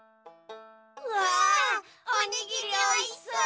うわおにぎりおいしそう！